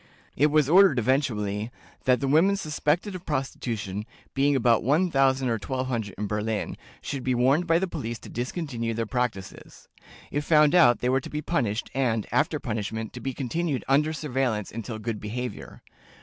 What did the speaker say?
It was ordered, eventually, "that the women suspected of prostitution, being about 1000 or 1200 in Berlin, should be warned by the police to discontinue their practices. If found out, they were to be punished, and, after punishment, to be continued under surveillance until good behavior.